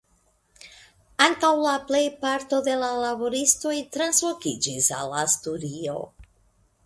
Ankaŭ la plej parto de la laboristoj translokiĝis al Asturio.